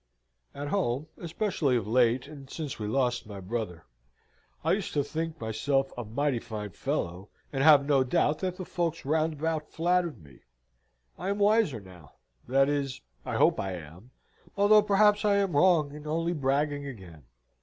"At home, especially of late, and since we lost my brother, I used to think myself a mighty fine fellow, and have no doubt that the folks round about flattered me. I am wiser now, that is, I hope I am, though perhaps I am wrong, and only bragging again.